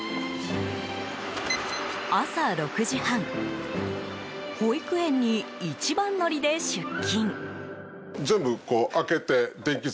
朝６時半保育園に一番乗りで出勤。